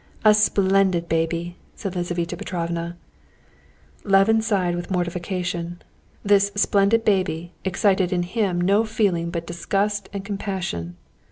"A splendid baby!" said Lizaveta Petrovna. Levin sighed with mortification. This splendid baby excited in him no feeling but disgust and compassion.